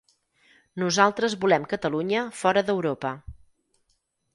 Nosaltres volem Catalunya fora d'Europa.